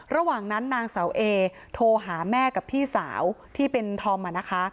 ระหว่างนั้นนางเสาเอโทรหาแม่กับพี่สาวที่เป็นธอมนะคะ